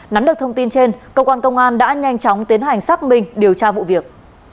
nắn được thông tin trên công an công an đã nhanh chóng tiến hành xác minh điều tra vụ việc